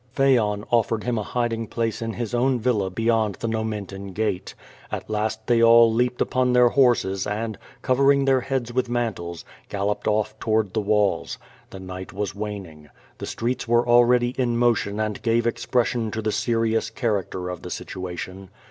Phaon offered him a hiding place in his own villa beyond the Nomentan Gate. At last they all leaped upon their horses and, covering their heads with mantles, galloped off toward the walls. The night was waning. The streets were already in motion and gave expression to the serious character of tha situation.